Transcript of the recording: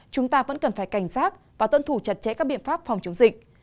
chúng ta vẫn cần phải cảnh giác và tuân thủ chặt chẽ các biện pháp phòng chống dịch